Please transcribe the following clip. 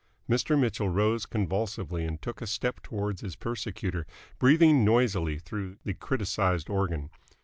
Mr. Mitchell rose convulsively and took a step towards his persecutor, breathing noisily through the criticised organ.